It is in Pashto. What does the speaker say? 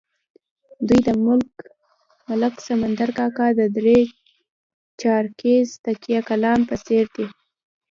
دوی د ملک سمندر کاکا د درې چارکیز تکیه کلام په څېر دي.